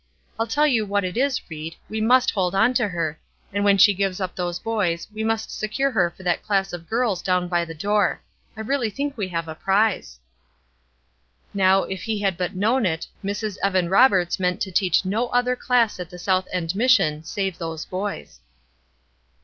I'll tell you what it is, Ried, we must hold on to her, and when she gives up those boys we must secure her for that class of girls down by the door. I really think we have a prize." Now, if he had but known it, Mrs. Evan Roberts meant to teach no other class at the South End Mission save those boys.